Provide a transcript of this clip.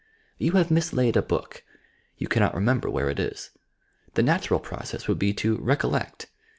You have mislaid a book ; you cannot remember where it is. The natural process would be to "recollect."